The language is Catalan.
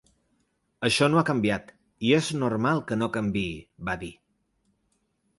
Això no ha canviat, i és normal que no canviï, va dir.